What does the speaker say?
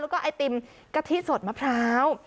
แล้วก็ไอติมกะทิสดมะพร้าว